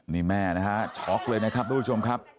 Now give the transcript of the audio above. นี่แม่นะฮะช็อกเลยนะครับทุกผู้ชมครับ